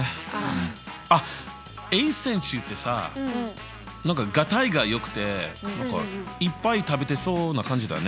あっＡ選手ってさ何かガタイがよくていっぱい食べてそうな感じだね。